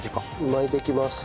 巻いていきます。